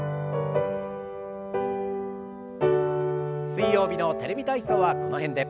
水曜日の「テレビ体操」はこの辺で。